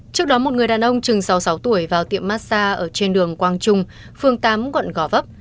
trước đó một người đàn ông chừng sáu mươi sáu tuổi vào tiệm massage ở trên đường quang trung phường tám quận gò vấp